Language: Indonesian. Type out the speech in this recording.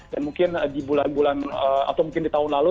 dan mungkin di bulan bulan atau mungkin di tahun lalu